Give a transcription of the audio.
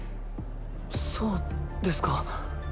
そうですか。